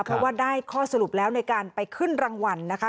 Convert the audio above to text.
เพราะว่าได้ข้อสรุปแล้วในการไปขึ้นรางวัลนะคะ